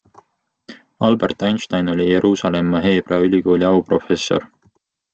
Albert Einstein oli Jeruusalemma Heebrea ülikooli auprofessor.